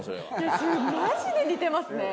マジで似てますね。